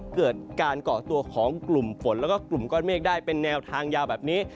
เกิดการเกาะตัวของกลุ่มฝนแล้วก็กลุ่มก้อนเมฆได้เป็นแนวทางยาวแบบนี้